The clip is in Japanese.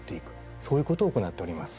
そういうことを行っております。